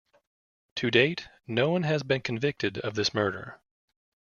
To date, no one has been convicted of this murder.